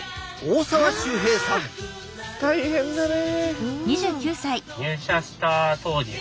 大変だね。